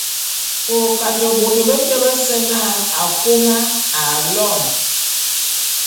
O Kate bôt beté bese na Akôma aloene.